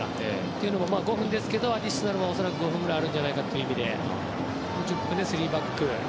というのも、あと５分ですけどアディショナルは５分ぐらいあるんじゃないかという意味で残り１０分で３バック。